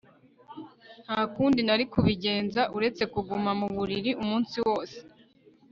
Nta kundi nari kubigenza uretse kuguma mu buriri umunsi wose